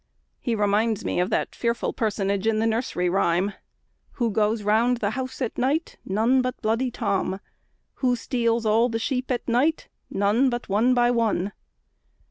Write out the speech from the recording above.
He reminds me of that fearful personage in the nursery rhyme: "Who goes round the house at night? None but bloody Tom! Who steals all the sheep at night? None but one by one!"